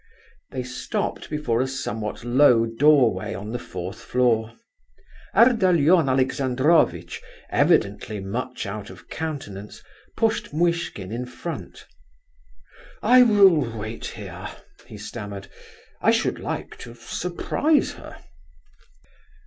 They stopped before a somewhat low doorway on the fourth floor. Ardalion Alexandrovitch, evidently much out of countenance, pushed Muishkin in front. "I will wait here," he stammered. "I should like to surprise her.